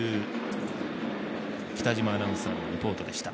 北嶋アナウンサーのリポートでした。